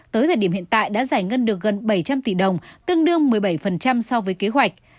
tới thời điểm hiện tại đã giải ngân được gần bảy trăm linh tỷ đồng tương đương một mươi bảy so với kế hoạch